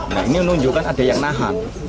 nah ini menunjukkan ada yang nahan